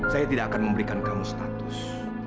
saya tidak akan memberikan kamu status